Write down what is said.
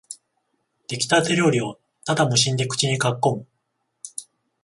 できたて料理をただ無心で口にかっこむ